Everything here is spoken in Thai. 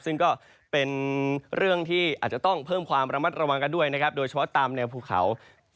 ซึ่งก็เป็นเรื่องที่อาจจะต้องเพิ่มความระมัดระวังกันด้วยนะครับโดยเฉพาะตามแนวภูเขา